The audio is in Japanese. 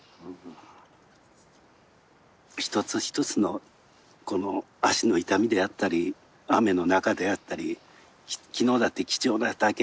一つ一つのこの足の痛みであったり雨の中であったり昨日だって貴重な体験